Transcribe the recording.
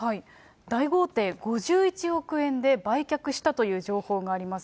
大豪邸５１億円で売却したという情報があります。